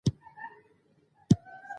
یوه شپه ده نازک نسته ـ خرڅوم به دې بالښته